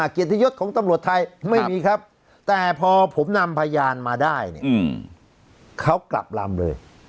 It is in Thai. เกียรติยศของตำรวจไทยไม่มีครับแต่พอผมนำพยานมาได้เนี่ยเขากลับลำเลย